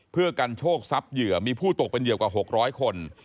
เพื่อกันโชคทรัพย์เหยื่อมีผู้ตกเป็นเหยื่อกว่า๖๐๐คน